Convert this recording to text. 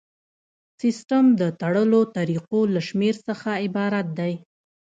سیسټم د تړلو طریقو له شمیر څخه عبارت دی.